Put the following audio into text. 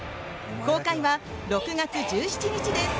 公開は６月１７日です。